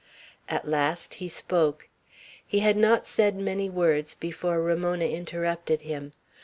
At last he spoke. He had not said many words, before Ramona interrupted him.